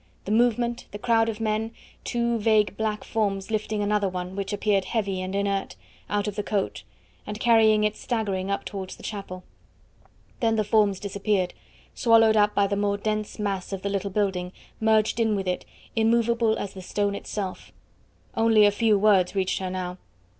The movement, the crowd of men, two vague, black forms lifting another one, which appeared heavy and inert, out of the coach, and carrying it staggering up towards the chapel. Then the forms disappeared, swallowed up by the more dense mass of the little building, merged in with it, immovable as the stone itself. Only a few words reached her now.